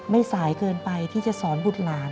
ไม่สายเกินไปที่จะสอนบุตรหลาน